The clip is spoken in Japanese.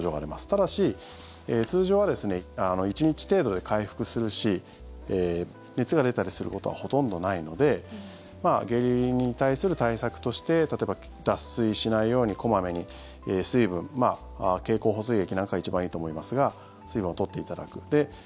ただし通常は１日程度で回復するし熱が出たりすることはほとんどないので下痢に対する対策として例えば脱水しないように小まめに水分経口補水液なんかが一番いいと思いますが水分を取っていただく。